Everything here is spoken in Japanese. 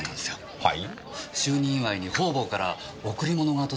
はい。